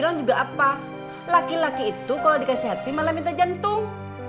laki laki itu kalau dikasih hati malah minta jantung